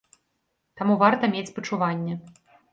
Таму варта мець спачуванне.